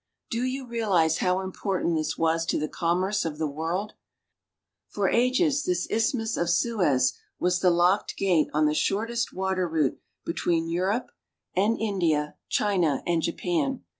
Do you realize how important this was to the commerce of the world ? For ages this Isthmus of Suez was the locked gate on the shortest water route between Europe no AFRICA and India, China, and Japan.